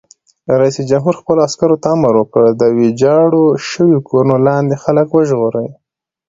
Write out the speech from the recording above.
رئیس جمهور خپلو عسکرو ته امر وکړ؛ د ویجاړو شویو کورونو لاندې خلک وژغورئ!